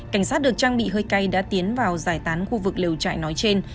cảnh sát được trang bị hơi cay đã tiến vào giải tán khu vực liều chạy nói trên